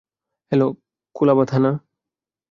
Hello, Colaba থানা।